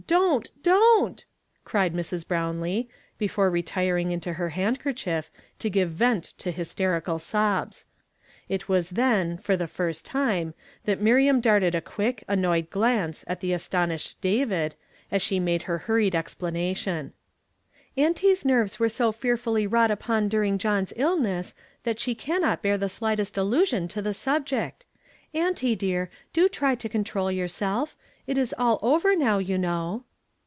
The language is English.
don't! DON'T!" .cried Mrs. Brownlee, before ret ring into her handker chief, to give vent to liystci cal sobs. It ^v as then, for the first time, that Min m darted a quick, an noyed glance at the astonis ed David as she made her hurried exiilanation. H ■ 208 YESTERDAY FRAMED IN TO DAY. " Auntie's nerves were so fearfully wrought upon during John's illness, that she cannot bear the slightest allusion to the subject. Auntie, dear, do try to control yourself; it is all over now, you know."